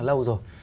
rất là lâu rồi